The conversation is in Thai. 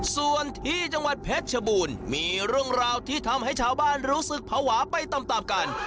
ส่วนที่จังหวัดเพชรชบูรณ์มีเรื่องราวที่ทำให้ชาวบ้านรู้สึกภาวะไปตามตามกัน